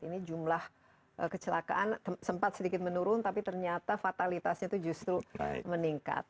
ini jumlah kecelakaan sempat sedikit menurun tapi ternyata fatalitasnya itu justru meningkat